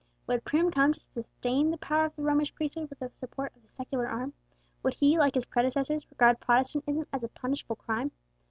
Would Prim come to sustain the power of the Romish priesthood with the support of the secular arm? Would he, like his predecessors, regard Protestantism as a punishable crime?